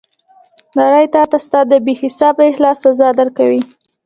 نړۍ تاته ستا د بې حسابه اخلاص سزا درکوي.